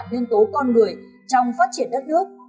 nhiên tố con người trong phát triển đất nước